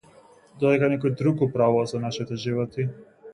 Додека некој друг управува со нашите животи.